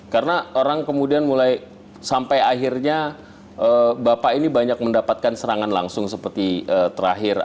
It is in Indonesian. karena orang kemudian mulai sampai akhirnya bapak ini banyak mendapatkan serangan langsung seperti terakhir